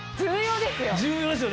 重要ですよ！